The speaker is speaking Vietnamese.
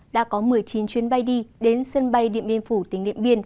đã có một mươi chín chuyến bay đi đến sân bay điện biên phủ tỉnh điện biên